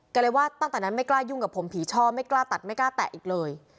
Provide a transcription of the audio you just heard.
ก็เลยว่าตั้งแต่นั้นไม่กล้ายุ่งกับผมผีช่อไม่กล้าตัดไม่กล้าแตะอีกเลย